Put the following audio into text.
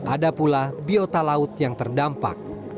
ada pula biota laut yang terdampak